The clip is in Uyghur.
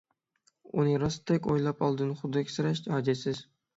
ئۇنى راستتەك ئويلاپ ئالدىن خۇدۈكسېرەش ھاجەتسىز.